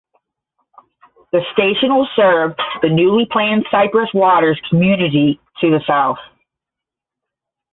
The station will serve the newly planned Cypress Waters community to the south.